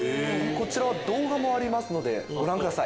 こちらは動画もありますご覧ください。